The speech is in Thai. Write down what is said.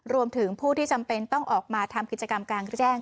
รวมถึงผู้ที่จำเป็นต้องออกมาทำกิจกรรมกลางแจ้ง